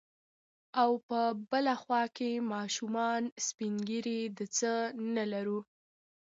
او په بله خوا کې ماشومان، سپين ږيري، د څه نه لرو.